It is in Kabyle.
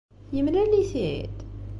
Yemlal-it-id?